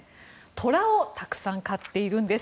トラをたくさん飼っているんです。